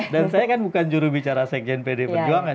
dan saya kan bukan juru bicara sekjen pdi perjuangan